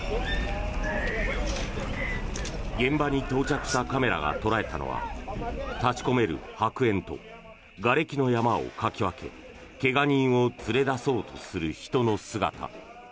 現場に到着したカメラが捉えたのは立ち込める白煙とがれきの山をかき分け怪我人を連れ出そうとする人の姿。